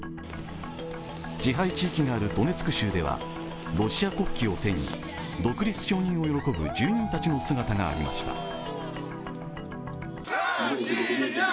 支配地域があるドネツク州ではロシア国旗を手に独立承認を喜ぶ住人たちの姿がありました。